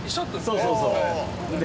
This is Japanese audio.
そうそうそう。